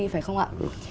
phải không ạ